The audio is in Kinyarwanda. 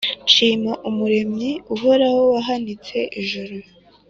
Nshima umuremyi uhoraho wahanitse ijuru